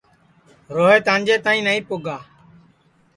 روہیت آنجے تائی نائی پُگا